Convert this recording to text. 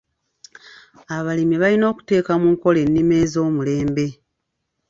Abalimi balina okuteeka mu nkola ennima ez'omulembe.